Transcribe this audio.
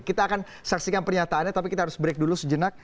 kita akan saksikan pernyataannya tapi kita harus break dulu sejenak